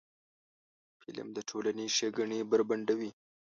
فلم د ټولنې ښېګڼې بربنډوي